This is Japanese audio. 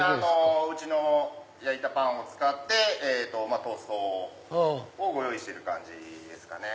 うちの焼いたパンを使ってトーストをご用意してる感じです。